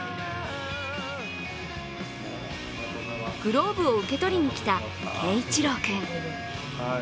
グローブを受け取りにきた佳一朗君。